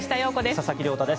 佐々木亮太です。